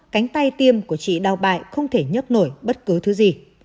cánh tay tiêm của chị đào bại không thể nhấp nổi bất cứ thứ gì